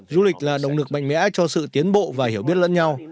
du lịch là động lực mạnh mẽ cho sự tiến bộ và hiểu biết lẫn nhau